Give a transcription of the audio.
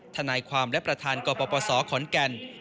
ทนายความและประธานกปศขอนแก่น